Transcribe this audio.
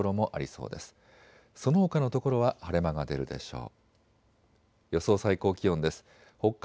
そのほかの所は晴れ間が出るでしょう。